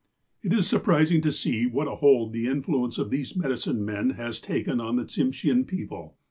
'' It is surprising to see what a hold the influence of these medicine men has taken on the Tsimshean people.